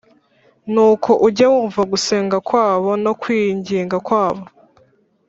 nuko ujye wumva gusenga kwabo no kwinginga kwabo